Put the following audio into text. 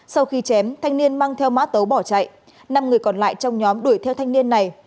sau khi chém thanh niên mang theo mã tấu bỏ chạy năm người còn lại trong nhóm đuổi theo thanh niên này